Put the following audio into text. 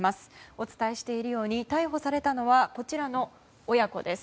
お伝えしているように逮捕されたのはこちらの親子です。